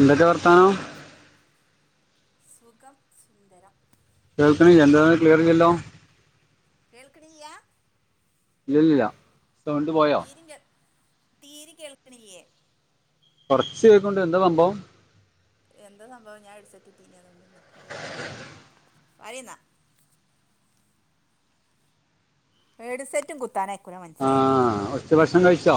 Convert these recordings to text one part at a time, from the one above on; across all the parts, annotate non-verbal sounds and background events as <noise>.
എന്തൊക്കെ വർത്താനം സുഖം സുന്ദരം കേൾക്കണില്ല എന്തുവാന്ന് ക്ലിയർ ഇല്ലല്ലോ കേൾക്ക്ണില്ല ഇല്ലല്ല തീരേം കേൾ തീരേം കേൾക്ക്ണില്ലേ കൊറച്ച് കേക്കുണ്ട് എന്താ സംഭവം എന്താ സംഭവം ഞാൻ ഹെഡ്സെറ്റ് കുത്തീനി അത്കൊണ്ടന്നെ എല്ലാ എന്താ പറയ്ന്നാ ഹെഡ് സെറ്റും കുത്താനയ്ക്കൂല മൻസ്സന് ട്ട് ഭക്ഷണം കഴിച്ചോ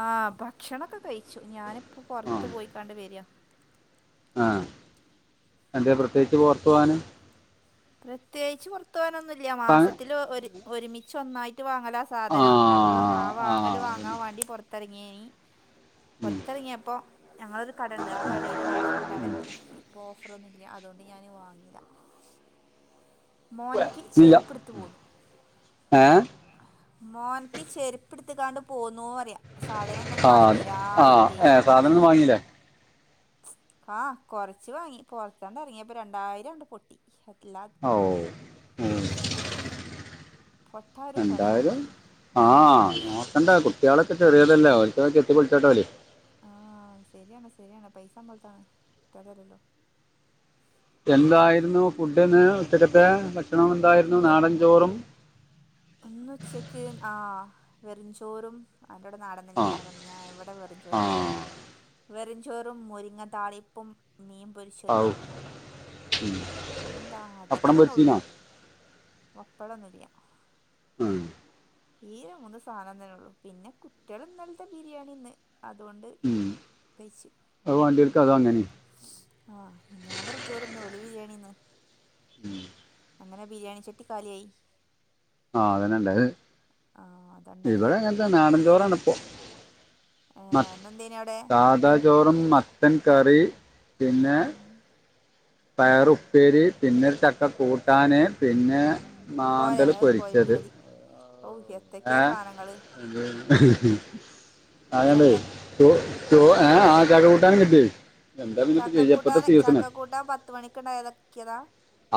ആഹ് ഭക്ഷണൊക്കെ കഴിച്ചു ഞാനിപ്പോ പൊറത്ത് പോയിക്കാണ്ട് വര്കാ ആഹ് എന്തേ പ്രത്യേകിച്ച് പൊർത്തു പോവാന് പ്രത്യേകിച്ച് പൊർത്തു പോകാനൊന്നുല്ല ആ മാസത്തില് ഒരു ഒരുമിച്ച് ഒന്നായി ട്ട് വാങ്ങലാ സാധനം അപ്പം ആ വാങ്ങല് വാങ്ങാൻ വേണ്ടി പൊർത്തെറങ്ങിയേനി ഉം. പൊർത്തെറങ്ങിയപ്പൊ ഞങ്ങളൊരു കടേണ്ട് ആ കടേല് ഓഫർണ്ടാവല്ണ്ടേ ഇപ്പൊ ഓഫ റൊന്നുല്ല അതുകൊണ്ട് ഞാൻ വാങ്ങില്ല മോൻകി ഇല്ല ചെരുപ്പെട്ത്ത് പോന്നു ഏ മോൻക്ക് ചെരുപ്പ് ഇട്ത്ത്ക്കാണ്ട് പോന്നു പറിയ സാധനം ഒന്നും ആ വാങ്ങിലാ ആ ഏ പ്രത്യേകിച്ച് ഒന്നും സാധനം വാങ്ങില്ല വാങ്ങിയില്ലേ ആഹ് കൊറച്ച് വാങ്ങി പൊർത്താണ്ട് എറങ്ങിയപ്പൊ രണ്ടായിരം ആണ്ട് പൊട്ടി ഹെട്ട്ലാ ഓഹ് ഉം പൊട്ടാ ഒരു പണി രണ്ടായിരം വാണ്ടേ ആഹ് നോക്കണ്ടേ കുട്ട്യാളൊക്കെ ചെറിയതല്ലേ ഓൽക്കൊക്കെ ചെത്തി ചെത്തി പൊൾച്ചാൻണ്ടാവൂലേ ആഹ് സെരിയാണ് സെരിയാണ് പൈസ ഞമ്മൾതാണ് കുട്ട്യൾതല്ലല്ലോ എന്തായിരുന്നു ഫുഡ് ഇന്ന് ഉച്ചക്കത്തെ ഭക്ഷണം എന്തായിരുന്നു നാടൻചോറും ഇന്നു ഉച്ചെക്ക് ആഹ് വെറുംചോറും അന്റോടെ നാടെൻ ആ ന്നെയ്ക്കാരം പറഞ്ഞ ഞാൻ ഇവിടെ വെറും ചോറ് ന്നാ ആഹ് പറയല് വെറുംചോറും മുരിങ്ങ താളിപ്പും മീൻ പൊരിച്ചതും ഔ പിന്നെന്താ അതൊക്കെ പപ്പടം തന്നെ ഒള്ളു പൊരിച്ചീനോ പപ്പടം ഒന്നും ഇല്ല ഉം ഈ മൂന്ന് സാധനം തന്നെ ഒള്ളൂ പിന്നെ കുട്ട്യള് ഇന്നൽത്തെ ബിരിയാണിന്ന് അതുകൊണ്ട് ഉം അത് വാണ്ടിയോൽക്ക് അത് അങ്ങനെയും. ആഹ് ഞാൻ വെറും ചോറ്ന്ന് ഓല് ബിരിയാണിന്ന് ഉം അങ്ങനെ ബിരിയാണി ചട്ടി കാലിയായി. ആഹ് അതന്നെ ണ്ടായേ ആഹ് അത ഇണ്ടായത് നാടൻ ചോറാണ് ഇപ്പൊ മ എന്നെന്തേനി അവിടെ സാധാ ചോറും മട്ടൻ കറി പിന്നെ ഉം, പയറ് ഉപ്പേരി പിന്നൊരു ചക്ക കൂട്ടാന് പിന്നെ ഉം, അപ്പൊ പോരെ മാന്തല് അത് പോയി മതി പൊരിച്ചത് മതി ഓ എത്തക്കെയാ ഏഹ് സാധനങ്ങള് അതണ്ട് ചക്ക ചോ ഏഹ് ആഹ് ചക്ക കൂട്ടാനും കിട്ടി. എന്താ പിന്നേ ഇപ്പൊ ചെയ്യാ ഇപ്പഴത്തെ സീസ്സണ് താൻ പത്ത് മണിക്ക് ഉണ്ടായിതക്കിയതാ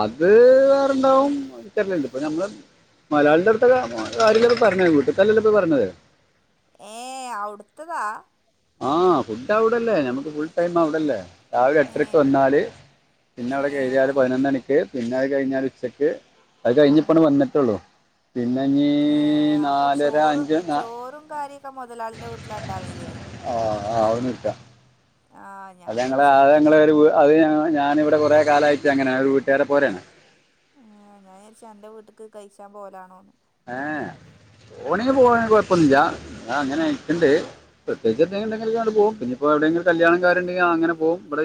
അത് വേറെണ്ടാവും. എനിക്കറിയില്ല ഇപ്പൊ ഞമ്മള് മലയാളിന്റെട് തൊക്കെ കാര്യങ്ങള് പറഞ്. വീട്ടിതല്ലല്ലൊ ഇപ്പൊ ഈ പറിയ്ണെ ഏയ് അവ്ട്ത്തതാ ആഹ് ഫുഡ് അവിടല്ലേ നമ്മുക്ക് ഫുൾ ടൈം അവിടല്ലേ. രാവിലെ ഏ എട്ടരയ്ക്ക് വന്നാല് പിന്നെ ഏ അവിടെ കേറിയാല് പതിനൊന്ന് മണിക്ക് പിന്നെ അത് കഴിഞ്ഞാല് ഉച്ചയ്ക്ക് അത് കഴിഞ്ഞപ്പണ് വന്നിട്ടേള്ളൂ ഏയ് അപ്പൊ ചോറും അഞ്ച് നാ- ചോറും കാര്യക്കൊ മുതലാളിന്റെ വീട്ടിലാ ഉണ്ടാവല് ല്ലേ ആഹ് ആഹ് <unintelligible> ആഹ് ഞാൻ വിചാരിച്ചൊക്ക ഞങ്ങളെ ഒരു വീ- അത് ഞാനിവിടെ കുറെ കാലായിട്ട് അങ്ങനെയാണ് ഒരു വീട്ടുകാരെ പോലെയാണ് ആഹ് ഞാൻ വിചാരിച്ച് ‌ അന്റെ വീട്ടിക്ക് കഴിച്ചാൻ പോലാണോന്ന് പോണിന് പോണേന് ആഹ് കൊഴപ്പൊന്നുല്ലാ ഞാൻ അങ്ങനെ <unintelligible> പ്രത്യേകിച്ച് എത്തെങ്കി ഉണ്ടെങ്കിൽ അങ്ങോട്ട്‌ പോകും പിന്നെപ്പോ എവിടേലും കല്യാണക്കാര്യവും ഉണ്ടെങ്കിൽ അങ്ങനെ പോവും ഇവിടെ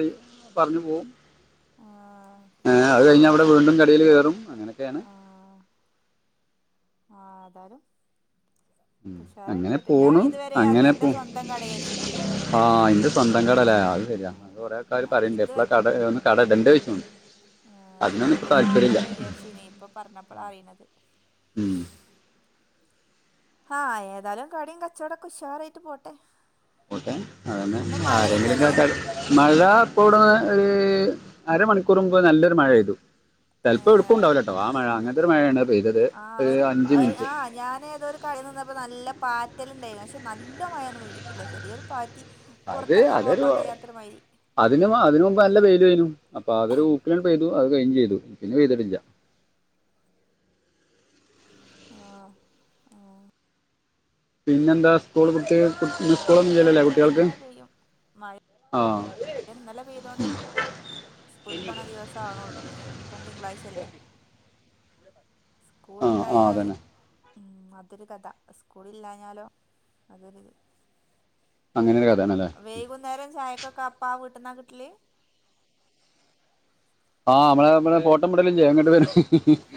പറഞ്ഞു പോവും ആഹ് ഏഹ് അത് കഴിഞ്ഞാൽ ഇവടെ വീണ്ടും കടയിൽ കയറും അങ്ങനെയൊക്കെയാണ് ആഹ് ആഹ് അതാലും ഉം. കുശാറായിട്ട് അങ്ങനെ വരട്ടെ ഞാൻ പോണു ഇതുവരെ അത് തന്റെ സ്വന്തം കടയേച്ച്ക്കേനി ആഹ് ഇന്റെ സ്വന്തം കടല്ലേ അത് ശരി അത് കൊറേ ആൾക്കാര് ഞാൻ പറിണ്ട് ഇത് ഇപ്പളെ കടയാണ് കട ഇടണ്ടെ ചോയ്ച്ചും. അതിനൊന്നും ഇപ്പൊ താല്പര്യല്ലാ ഇനിപ്പൊ പർഞ്ഞപ്പളാ അറിണത് ഉം. ആഹ് ഏതാലും കടയും കച്ചവടൊക്കെ ഉഷാറായിട്ട് പോട്ടെ പൊട്ടെ അതന്നെ ഇന്ന് ആരെങ്കിലും മഴയില്ലല്ലേ കേ മഴ ഇപ്പോ ഇവിടെ ഒരു അരമണിക്കൂറ് മുമ്പ് നല്ലൊരു മഴ പെയ്തു ചെൽപ്പോ എടുക്കും ഏഹ് ഉണ്ടാവില്ലട്ടോ ആ മഴ അങ്ങനത്തെ ഒരു മഴയാണ് പെയതത് ഒരു അഞ്ച് മിനിറ്റ്. ആഹ് ഞാനേതൊരു <unintelligible> വന്നപ്പോ നല്ല പാറ്റൽ ഉണ്ടായിരുന്നു പക്ഷെ നല്ല മഴൊന്നും പെയ്തിട്ടില്ല ചെറിയൊരു പാറ്റി അത് പൊർത്തറങ്ങാൻ അതൊരു പോവാൻ കഴിയാത്തരു മഴി അതിന് അതിന് മുമ്പ് നല്ല വെയിലേനു. അപ്പൊ അതൊരു ഊക്കിലാണ്ട് പെയ്തു അത് കഴിഞ്ഞും ചെയ്തു. പിന്നെ പെയ്തിട്ടില്ല ആഹ് ആഹ് പിന്നെ എന്താ സ്കൂൾ കുട്ടി മിസ്സ്‌ മഴ കോൾ പെയ്യാൻ ഒന്നുല്ലല്ലൊ ല്ലേ വിചാരിച്ച കുട്ടികൾക്ക്? അങ്ങനെ പെയ്യും മഴ ആഹ് ഇന്നലെ പെയ്തോണ്ട് സ്കൂള് ഉണ്ടാവണ ദിവസം ആവണേള്ളൂ ഇന്നിപ്പോ തിങ്കളാഴ്ച അല്ലേ സ്കൂള് ആ ആ ഉണ്ടായാല് അതന്നെ ഉം അതൊരു കഥ സ്കൂളില്ലാഞ്ഞാലോ അതൊരിത് അങ്ങനെ ഒരു കഥയാണ് ല്ലേ? വൈകുന്നേരം ചായക്കൊക്കെ അപ്പാ വീട്ടിന്നാ കിട്ടല് ആഹ് നമ്മളെ നമ്മളെ ഫോട്ടോ വിടലില്ലേ ഇങ്ങട്ട് വരും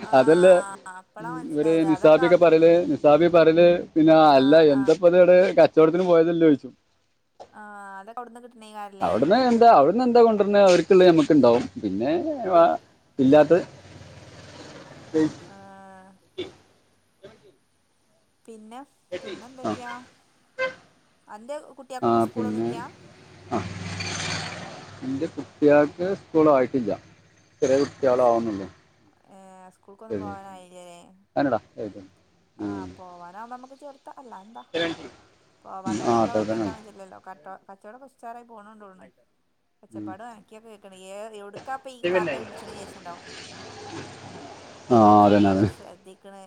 ആ അതല്ലേ അപ്പളാ ഉം ഇവര് മനസ്സിലായത് അതൊക്കെ നിസാബ്‌യൊക്കെ പറയല് നിസാബി അവിടുന്ന് പറയല് പിന്നെ ആ അല്ല ആ എന്തപ്പത് ട് ക ച്ചോട്ത്തിന് പോയതല്ലെ യ്ച്ചും. ആഹ് അതൊ ക്കവട്ന്നാ കിട്ട്ണെക്കാരം. അവിടുന്ന് എന്താ അവിടുന്ന് എന്താ കൊണ്ടര്ന് അവര് ക്ക്ള്ളെ നമ്മക്ക്ണ്ടാവും. പിന്നെ വ ഇല്ലാത്ത ആഹ് പിന്നെ പിന്നെ ആ എന്തൊക്കെയാ അന്റെ കുട്ടിയേക്കൊന്നും സ്കൂളൊന്നുല്ല്യ അഹ് ഇന്റെ കുട്ട്യേൾക്ക് സ്കൂൾ ആയിട്ടില്ല. ചെറിയ ഏ കുട്ട്യേള് സ് ആവ്ണൊള്ളു ഏ സ്കൂൾക്കൊന്നും <unintelligible> ആഹ് പോവാനാവുമ്പം അമ്മക്ക് ചേർത്താ അല്ലാതെന്താ. ഉം. പോവാത്ത ആ കുട്ടിയേളെ അതെ തന്നെ പർഞ്ഞയക്കാൻ വെജ്ജില്ലല്ലോ. ക ട്ടോ കച്ചോടക്കെ ഉശാറായി പോണ് ണ്ട് തോന്ന്ണ്. ഒച്ചപ്പാടും അനക്ക്യൊക്കെ കേക്ക്ണ്ട്. ഏ എവ്ട്ക്കാ പ്പൊ ഈ കാക്ക വിൾച്ണെ വിചാരിച്ചിണ്ടാവും. ആ അതന്നെ കാച്ചൊടക്കെല്ലാം അതന്നെ ശ്രദ്ധിക്ക്ണ്.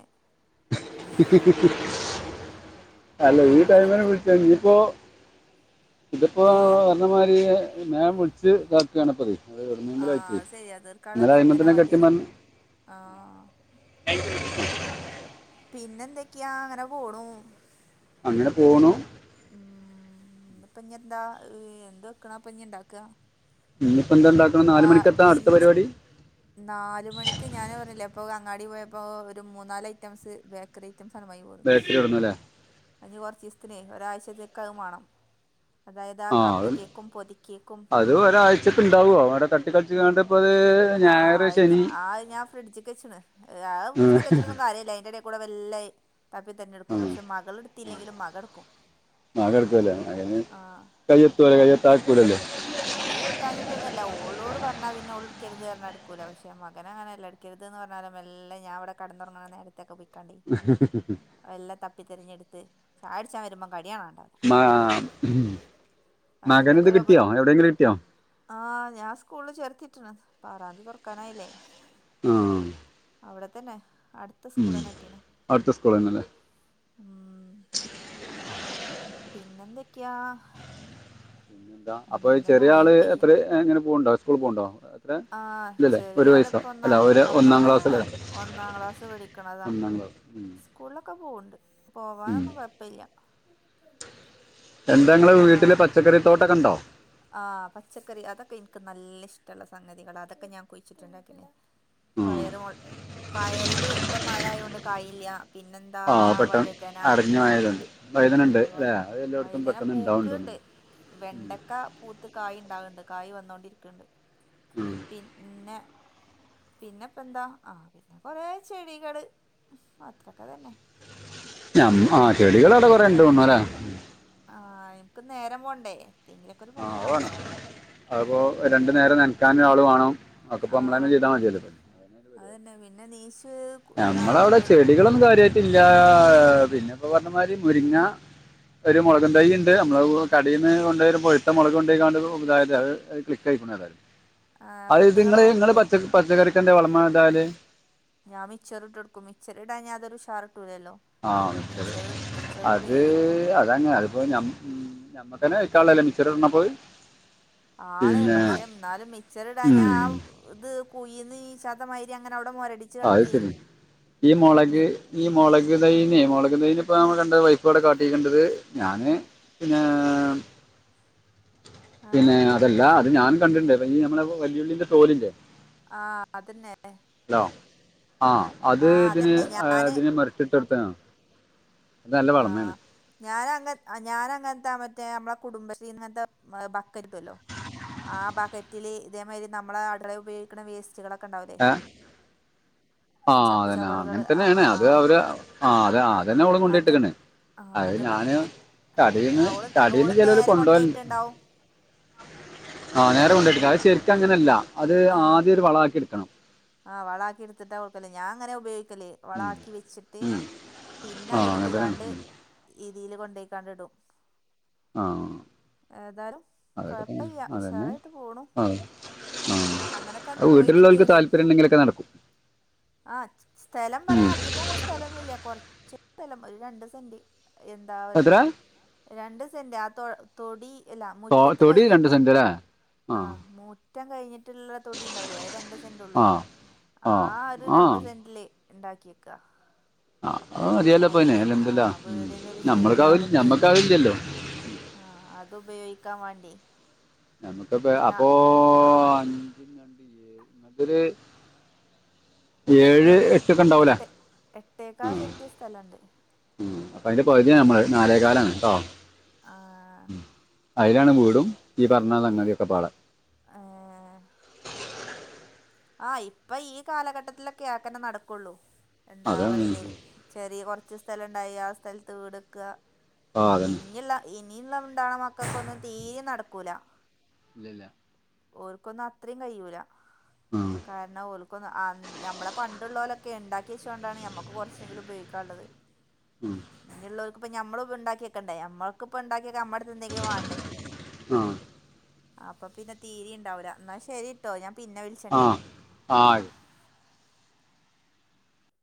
അല്ല ഈ എന്താ ടൈമിന് ചെയ്യാ വിൾച്ചാ. ഇഞിപ്പോ ഇതിപ്പോ ഏ പർഞ്ഞ മായ്രി വേം വിളിച്ച് ഇതാക്കാണ് പ്പൊ ഇതേ. അത് ആ എവ്ട്ന്നെങ്കിലു ആയിറ്റെ. അത് ശരിയാ ഇന്നലെ അയ്മെത്തന്നെ കെട്ടി മർഞ് ആഹ് പിന്നെന്തൊക്കെയാ അങ്ങനെ പോണു അങ്ങനെ പോണു ഉം ഇന്ന് ഇപ്പൊ ഇഞ് എന്താ, ഏഹ് എന്ത് വെക്ക്ണാ ഇഞിപ്പൊ ണ്ടാക്കാ ഇന്ന് ഇപ്പൊ എന്താണ്ടാക്ണെ നാല് മണിക്കെത്താ അടുത്ത പരിപാടി നാലുമണിക്ക് ഞാനാ പർഞ്ഞില്ലേ അപ്പൊ അങ്ങാടി പോയപ്പോ ഒരു മൂന്നാല് ഐറ്റംസ് ബേ ക്കറി ഐറ്റംസാണ്ട് മാങ്ങി പോന്ന്. ബേക്കറി ഇടുന്നു അല്ലേ അതിഞ് കൊർച്ചീസ്ത്തിനേ ഒരാഴ്ചത്തേക്ക് അത് മാണം. അതായത് ആ കപ്പ് കേക്കും പൊതിക്കേക്കും ഇജ്ജ് കാണ്ടപ്പത് ആഹ് അഹ് ഞാ ആഹ് ഞാൻ ഫ്രഡ്ജ്ക്കെച്ച്ണ്. ആഹ് ഉം. ഫ്രിഡ്ജ്ക്ക് വെച്ചിട്ടൊന്നും കാര്യല്ല. അയ്ന്റെടേ കൂടെ വല്ല അഹ് തപ്പി തെര്ഞെടുക്കും. ഉം. പക്ഷെ മകള്ട്ത്തില്ലെങ്കിലും മകൻ ഇട്ക്കും. മകൻ ഇട്ക്കുലെ? മകന് കയ്യെത്തൂല്ലെ കയ്യെത്താതെക്കൂലല്ലോ. കൈ എത്താഞ്ഞിട്ടൊന്നു അല്ല ഓളോട് പർഞ്ഞാ പിന്നെ ഓള്ട്ക്കരുത് പർഞ്ഞാ ഇട്ക്കൂല പക്ഷെ മകന് അങ്ങനല്ല. ഇട് ക്കരുത് ന്ന് പർഞ്ഞാലും മെല്ലെ ഞാൻ ഇവടെ കട്ന്നൊർങ്ങ്ണ നേര ത്തൊക്കെ പൊയ്ക്കാണ്ടേ വെല്ലെ തപ്പിത്തെരഞ്ഞെടുത്ത് ചായുട്ച്ചാ വരുമ്പം കടിയാണാണ്ടാ മാ ഉഹും മകന് ഇത് അങ്ങനത്തൊക്കൊരോ പ കിട്ടിയോ എവിടെയെങ്കിലും കിട്ടിയോ ആഹ് ഞാൻ സ്കൂളിൽ ചേർത്തിട്ട്ണ്. ഇപ്പൊ ആറാംതി തൊർക്കാനായില്ലേ. ആഹ്. അവിടെ തന്നെ അടുത്തെ സ്കൂളെന്നെ കിട്ടീണ് അടുത്ത സ്കൂളിൽ നിന്നല്ലേ ഉം പിന്നെന്തൊക്ക്യാ <unintelligible> അപ്പൊ ചെറിയാള് മഴയും പെയ്യും എത്രെ ഇങ്ങനെ പോവ്ണ്ടോ സ്കൂൾ പോവ്ണ്ടോ ആഹ് ചെറിയ ആളിപ്പൊന്ന ഒരു ഒന്നാ ഒന്നാം ക്ലാസ് അല്ലേ ഒന്നാം ക്ലാസ്സ് പഠിക്കണതാ. ഒന്നാം ക്ലാസ് ഉം. സ്കൂളിലൊക്കെ പോവ്ണ്ട് ഉം. പോവാനൊന്നും കൊഴ്പ്പല്ല്യ എന്താ ഇങ്ങളെ വീട്ടില് ആഹ് പച്ചക്കറി തോട്ടൊക്കെ ഇണ്ടോ ആഹ് പച്ചക്കറി അതൊക്കെ ഇൻക്ക് നല്ല ഇഷ്ട്ടള്ള സംഗതികളാ അതൊക്കെ ഞാൻ കുഴിച്ചിട്ട്ണ്ടാക്കിന്. ഉം. പയറ് മൊൾ, പയറില് ഇപ്പ മഴായോണ്ട് കായില്ല. പിന്നെന്താ ആ പെട്ടെന്ന് വഴുതന അടഞ്ഞു ആയതുണ്ട് വൈദനുണ്ട് ആഹ് വ അല്ലേ അത് എല്ലായിടത്തും വഴുതന പെട്ടെന്ന് ഉണ്ടാവുന്നുണ്ടോ പൂക്ക്ണ്ട്. വെണ്ട ക്കാ പൂത്ത് കായി ഇണ്ടാവ്ണ്ട്, കായി വന്നോണ്ടിരിക്ണ്ട്. പിന്നെ പിന്നെ ഇപ്പെന്താ, ആഹ് പിന്നെ കൊറേ ചെടികള് അത്രൊക്കെ തന്നെ ഞമ് ആഹ് ചെടികള് അവ്ടെ കൊറേ ണ്ട് തോന്ന്ണു ല്ലേ. ആഹ എന്ക്ക് നേരം പോണ്ടേ പണി വേണ്ടെ അതിപ്പോൾ രണ്ട് നേരം നനക്കാൻ ഒരാളെ വേണം അതൊക്കെ ഇപ്പൊ നമ്മള് തന്നെ ചെയ്താൽ മതിയല്ലൊ പ അത്തന്നെ പിന്നെ നീശ നമ്മളവിടെ ചെടികളൊന്നും കാര്യമായിട്ടില്ല പിന്നെ ഇപ്പോൊ പറഞ്ഞമാതിരി മുരിങ്ങ ഒരു മുളകും തൈ ഉണ്ട് നമ്മള് കടയിൽന്ന് കൊണ്ടും പൊഴുത്ത മുളക് കൊണ്ടണ്ട് അത് ക്ലിക്കയില്ല ആ അത്ത് പെണ്ണുങ്ങൾ നിങ്ങള് നിങ്ങള് നോക്കുമോ പ പച്ചക്കറിക്കന്റെ വളമതാല് ഞാൻ മിച്ചറി ഇട്ട എടുക്കും മിച്ചറി ഇടാൻ തൊരുഷർട്ടൂല്ലല്ലോ ആഹ അത് അതെ അതിപ്പോ മ്മക്ക തന്നെ വക്കാല്ലേ മിക്സർണപ്പോയി ആണ് പക്ഷെ എന്നാലും മിച്ചർ ഇടാഞ്ഞ ഉം ആഹ ഇത് കൊയന്ന് ഈ ചാത്തമാരി അങ്ങനെ അവിടെ മൊരടി അഹ അത് ശരി ഈ മുളക് ഈ മുളക് തൈനെ മുളക് തൈന ഇപ്പ നമ്മള് കണ്ട വൈഫൂടെ കാട്ടിക്കേണ്ടത് ഞാന് പിന്നെ ആ പിന്നെ അതല്ല അത് ഞാൻ കണ്ടിണ്ട് നി നമ്മളെ വെല്ലുളിന്റെ തോലിറെ ആഹ അതന്നെ ഹലോ ആഹ അത് ആഹ് ഇതിന് അതന്നെ ഞാന് ഇതിനെ മറിച്ചിട്ട് എടുത്തോ ആഹ ഞാനങ്ങ ഞാന അങ്ങനത്തെ മറ്റേ നമ്മളെ കുടുംബശ്രീ ഇങ്ങനത്തെ ബക്കരിപ്പല്ലോ ആ ബക്കറ്റില് ഇതേമാതിരി നമ്മള അടല ഉപയോഗിക്കുന്ന വേസ്റ്റുകളൊക്കെ ഉണ്ടാവല്ലേ ആഹ് അതന്നെ അങ്ങനെ തന്നെയാണ് അത് അവര് ആഹ അഹ അത്തന്നെ അവവിടെ കൊണ്ട അത് ഇട്ടണ്ട് ആ അത് ഞാന് ബക്ക ആ തടീന്ന് ഓള് തടീന്ന് ഓള് ചിലവര് നേരെ കൊണ്ടുപോലണ്ട് കൊണ്ടോയിട്ടുണ്ടാവും ആഹ നേരെ കൊണ്ടെടുക്കാം അത് ശരിക്ക അങ്ങനെയല്ല അത് ആദ്യം ഒരു വള ആക്കി എടുക്കണം ആഹ വളാക്കി എടുത്തിട്ടാ കൊടുക്കല്ലേ ഞാ അങ്ങനെ ഉപയോഗിക്കല്ല ഉം, വളക്കി വെച്ചിട്ട് ഉം. പിന്നെ ആ അങ്ങനെ തന്നെയാണ് അതെടുത്തുകാണ്ട് ഉം. രീതിൽ കൊണ്ടപോക്കാണ്ടടും ആഹ ഏതായാലും അതൊക്കെ കൊഴപ്പല്ല അതന്നെ ഉഷാറായിട്ട് പോണു ആഹ ആഹ അങ്ങനൊക്കാണ്ട് അഹ പോയി വീട്ടിലുള്ളവർക്ക് താല്പര്യം ഉണ്ടെങ്കിലൊക്കെ നടക്കും ആഹ <unintelligible> സ്ഥലം പറയാൻ ഉം. അധികം സ്ഥലമൊന്നുല്ല കുറച്ച് സ്ഥലം ഒരു രണ്ട് സെന്റ് എന്താ എത്ര അവല് രണ്ട് സെന്റ് ആഹ തൊ തൊടി ഇല്ല തൊ മുറ്റത്ത് തൊടി രണ്ട് കഴിഞ്ഞിട്ട് സെന്റ് അല്ലേ ആഹ് ആഹ മുറ്റം കഴിഞ്ഞിട്ടുള്ള തൊടി ഉണ്ടാവലേ അത് രണ്ട് സെന്റ് ഉള്ളൂ ആഹ് ആഹ് ആഹ ഒരു രണ്ട് ആഹ് സെന്റില് ഉണ്ടാക്കിയക്ക ആഹ് അത് മതിയല്ലോ ഇപ്പോ അതിന് അയില് അൽഹംദുലില്ലാ ആഹ ഉം വീടിന്റെ ഒരു സൈഡ് നമ്മൾക്ക് അത് ഭാഗത്ത് നമ്മക്ക് അതില്ലല്ലോ ആഹ അത്പയോഗിക്കാൻ വേണ്ടി നമ്മുക്കപ്പ പിന്നെ അപ്പോ.... <unintelligible> ഏഴ് എട്ടേക്ക എട്ടൊക്കെ ഉണ്ടാവൂലേ എട്ട് എട്ടേക്കാ ആഹ് സെന്റ സ്ഥലണ്ട് ഉം അപ്പൊ അതിന്റെ പകുതിയ നമ്മള് നാലേകാലാണ് കേട്ടോ ആഹ അതിലാണ് വീടും ഈ പറഞ്ഞ സങ്ങതിതൊക്കെ പാടെ ഏഹ ആഹ ഇപ്പ ഈ കാലഘട്ടത്തിലൊക്കെ ആക്കനെ നടക്കുള്ളൂ എന്താ അതാണ് പറല് ചെറിയ കുറച്ച് സ്ഥലുണ്ടായി ആഹ സ്ഥലത്ത് വീട്ക്കുക ആഹ് അതന്നെ ഇങ്ങുള്ള ഇനിയുള്ള <unintelligible> ണ്ടണ മക്കൾക്കൊന്നും തീരെ നടക്കൂല ഇല്ല ഓർക്കൊന്നും അത്രയും കഴിയൂല ആഹ കാരണം ഓൽക്കൊന്ന അഹ ഞമ്മെളെ പണ്ട്ള്ളാേലൊക്കെ ണ്ടാക്കി വെച്ചാേണ്ടാണ് ഞമ്മക്ക് കാെർച്ചെങ്കിലും ഉപയോഗിക്കാള്ളത് ഉം ഞ്ഞ്ള്ളാേര്ക്ക്പ്പം ഞമ്മളൊന്നുണ്ടാക്ക്യെക്കെണ്ടേ ഞമ്മൾക്കിപ്പണ്ടാക്ക്യെക്കാ നമ്മട്ത്ത് എന്തെങ്കിലും വാണ്ടേ ആഹ് അപ്പ പിന്നെ തീരിംണ്ടാവൂല ന്നാ ശെരിട്ടോ ഞാൻ പിന്നെ വിൾ ആഹ് ആഹ് അയ്കോ